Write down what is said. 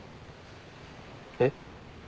えっ？